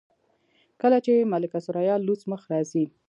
کله چې ملکه ثریا لوڅ مخ راځي.